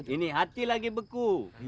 ini hati lagi beku